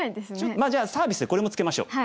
まあじゃあサービスでこれもつけましょう。